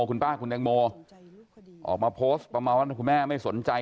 คุณป้าคุณแตงโมออกมาโพสต์ประมาณว่าคุณแม่ไม่สนใจ